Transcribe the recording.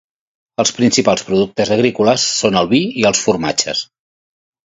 Els principals productes agrícoles són el vi i els formatges.